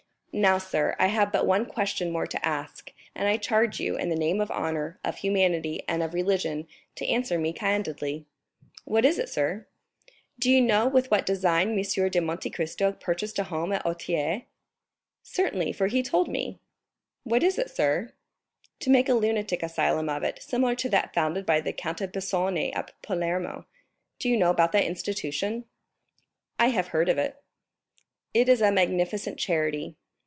"Now, sir, I have but one question more to ask, and I charge you, in the name of honor, of humanity, and of religion, to answer me candidly." "What is it, sir?" "Do you know with what design M. de Monte Cristo purchased a house at Auteuil?" "Certainly, for he told me." "What is it, sir?" "To make a lunatic asylum of it, similar to that founded by the Count of Pisani at Palermo. Do you know about that institution?" "I have heard of it." "It is a magnificent charity."